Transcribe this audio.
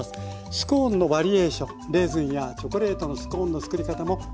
スコーンのバリエーションレーズンやチョコレートのスコーンの作り方もご紹介しています。